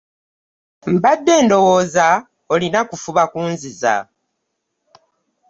Mbadde ndowooza olina kufuba kunziza.